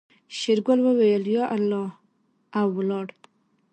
شېرګل وويل يا الله او ولاړ.